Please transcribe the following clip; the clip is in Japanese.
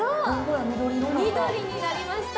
緑になりました！